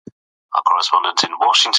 پاک چاپېریال د خلکو روغتیا خوندي ساتي.